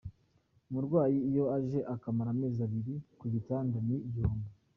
Umurwayi iyo aje akamara amezi abiri ku gitanda ni igihombo.